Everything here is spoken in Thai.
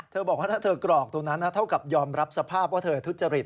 บอกว่าถ้าเธอกรอกตรงนั้นเท่ากับยอมรับสภาพว่าเธอทุจริต